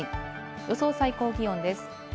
予想最高気温です。